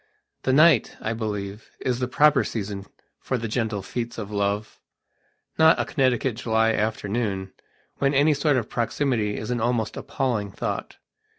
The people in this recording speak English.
The night, I believe, is the proper season for the gentle feats of love, not a Connecticut July afternoon, when any sort of proximity is an almost appalling thought.